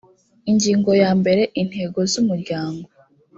ingingo ya mbere intego z’umuryango